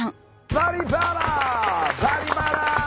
「バリバラ」！